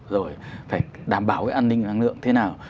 rồi phải đảm bảo cái an ninh năng lượng thế nào